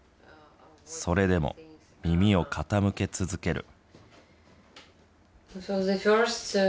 それでも耳を傾け続ける。